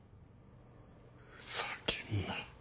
ふざけんな。